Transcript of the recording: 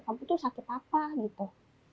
kamu tuh sakit apa gitu